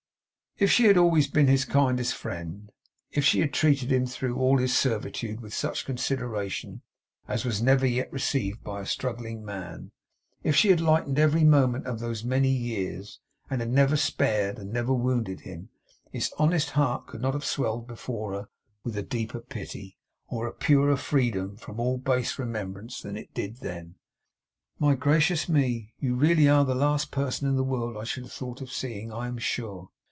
If she had always been his kindest friend; if she had treated him through all his servitude with such consideration as was never yet received by struggling man; if she had lightened every moment of those many years, and had ever spared and never wounded him; his honest heart could not have swelled before her with a deeper pity, or a purer freedom from all base remembrance than it did then. 'My gracious me! You are really the last person in the world I should have thought of seeing, I am sure!